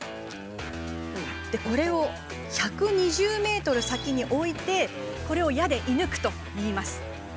これを１２０ｍ先に置いてこれを矢で射抜くといいます。